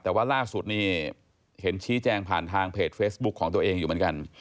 แต่ว่าล่าสุดนี่เห็นชี้แจงผ่านทางเพจเฟซบุ๊คของตัวเองอยู่เหมือนกัน